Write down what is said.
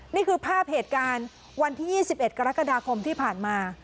นี่คือภาพเหตุการณ์วันที่๒๑กรกฎาคมที่ผ่านมา